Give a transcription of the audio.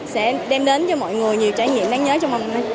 sẽ đem đến cho mọi người nhiều trải nghiệm đáng nhớ trong màn hình này